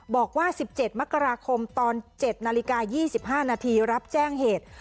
บอกว่า๑๗มกราคมตอน๗นาฬิกา๒๕นาทีรับแจ้งเหตุ